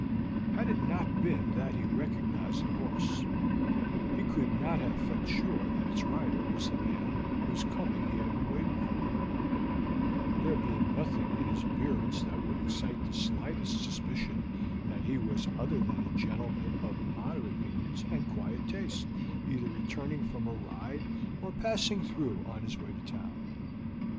Had it not been that he recognized the horse, he could not have felt sure that its rider was the man whose coming he had been waiting for, there being nothing in his appearance that would excite the slightest suspicion that he was other than a gentleman of moderate means and quiet taste, either returning from a ride or passing through on his way to town.